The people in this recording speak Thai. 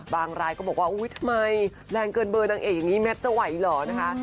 รายก็บอกว่าอุ๊ยทำไมแรงเกินเบอร์นางเอกอย่างนี้แมทจะไหวเหรอนะคะ